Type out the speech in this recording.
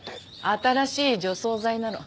新しい除草剤なの。